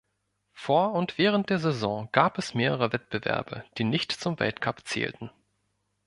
Vor und während der Saison gab es mehrere Wettbewerbe, die nicht zum Weltcup zählten.